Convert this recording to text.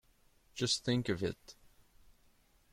Just think of it!